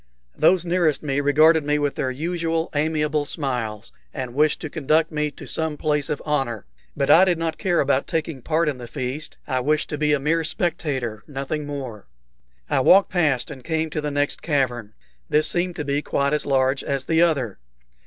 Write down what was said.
Those nearest me regarded me with their usual amiable smiles, and wished to conduct me to some place of honor; but I did not care about taking part in this feast. I wished to be a mere spectator, nothing more. I walked past and came to the next cavern. This seemed to be quite as large as the other.